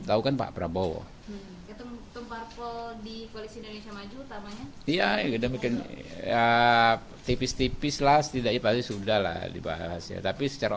tahu kan pak prabowo ya kita bikin ya tipis tipis lasti dari pasti sudah lah dibahas ya tapi secara